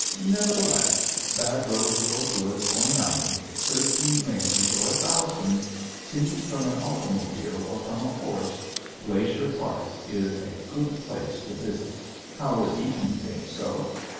Nevertheless, bad roads or good or none, thirteen rangers or a thousand, seen from an automobile or from a horse, Glacier Park is a good place to visit. Howard Eaton thinks so.